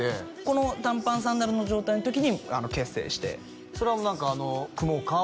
この短パンサンダルの状態の時に結成してそれは何か組もうか？